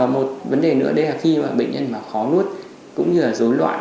một vấn đề nữa đây là khi bệnh nhân khó nuốt cũng như là dối loạn